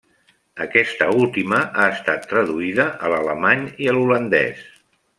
Aquesta última ha estat traduïda a l’alemany i a l’holandès.